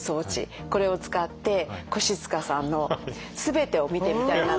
これを使って越塚さんのすべてを見てみたいなと思います。